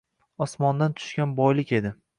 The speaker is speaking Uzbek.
Osmondan tushgan boylik edi